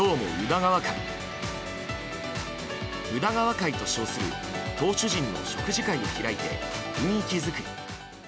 宇田川会と称する投手陣の食事会を開いて雰囲気作り。